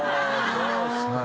そうですか。